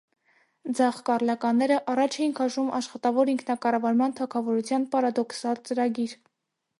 Ձախ կառլականները առաջ էին քաշում «աշխատավոր ինքնակառավարման թագավորության» պարադոքսալ ծրագիր։